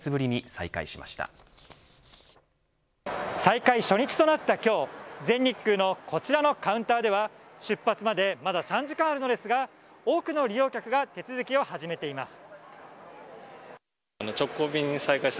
再開初日となった今日全日空のこちらのカウンターでは出発までまだ３時間あるのですが多くの利用客が手続きを始めています。